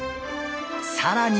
さらに！